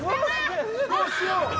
どうしよう？